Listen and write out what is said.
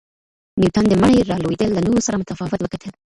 نیوټن د مڼې را لویدل له نورو سره متفاوت وکتل.